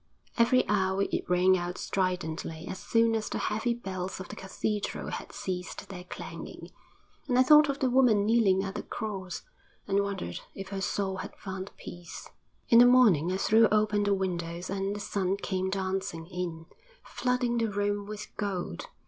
Every hour it rang out stridently as soon as the heavy bells of the cathedral had ceased their clanging, and I thought of the woman kneeling at the cross, and wondered if her soul had found peace. In the morning I threw open the windows and the sun came dancing in, flooding the room with gold.